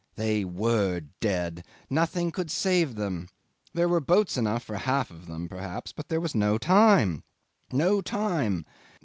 They were dead! Nothing could save them! There were boats enough for half of them perhaps, but there was no time. No time!